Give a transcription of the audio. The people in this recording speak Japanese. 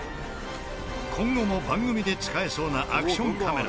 今後も番組で使えそうなアクションカメラ。